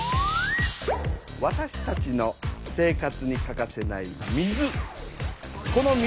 わたしたちの生活に欠かせない水。